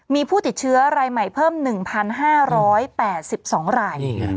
มีผู้ติดเชื้อรายใหม่เพิ่ม๑๕๘๒ราย